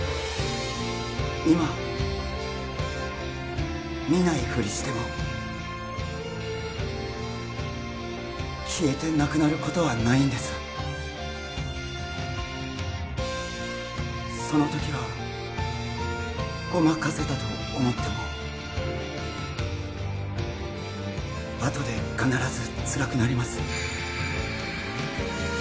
今見ないふりしても消えてなくなることはないんですそのときはごまかせたと思ってもあとで必ずつらくなります